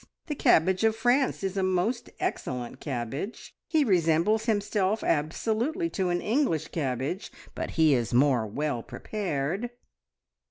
The cabbage of France is a most excellent cabbage. He resembles himself absolutely to an English cabbage, but he is more well prepared."